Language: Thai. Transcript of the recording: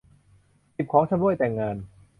สิบ ของชำร่วยแต่งงาน